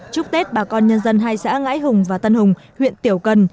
chúc tết bà con nhân dân hai xã ngãi hùng và tân hùng huyện tiểu cần